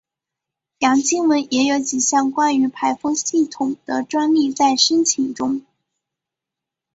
杨经文也有几项关于排风系统的专利在申请中。